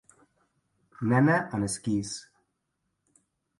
Nena en esquís